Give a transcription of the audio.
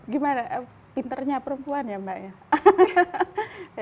gimana pinternya perempuan ya mbak ya